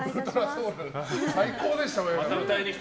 最高でした。